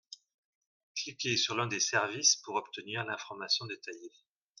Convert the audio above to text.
Cliquez sur l’un des services pour obtenir l’information détaillée.